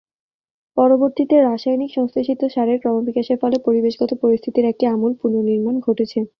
পরবর্তীতে রাসায়নিকভাবে সংশ্লেষিত সারের ক্রমবিকাশের ফলে পরিবেশগত পরিস্থিতির একটি আমূল পুনর্নির্মাণ ঘটেছে।